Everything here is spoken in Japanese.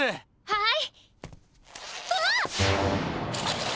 はい！